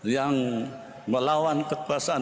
yang melawan kekuasaan